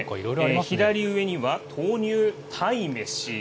左上には、豆乳鯛めし。